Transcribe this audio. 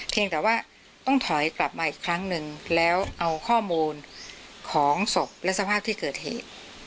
แต่ว่าต้องถอยกลับมาอีกครั้งหนึ่งแล้วเอาข้อมูลของศพและสภาพที่เกิดเหตุ